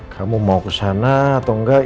kamu mau ke sana atau enggak